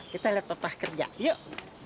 kita lihat papa kerja yuk